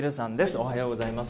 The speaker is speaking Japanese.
おはようございます。